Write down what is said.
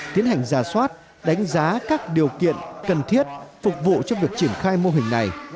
tiến hành ra soát đánh giá các điều kiện cần thiết phục vụ cho việc triển khai mô hình này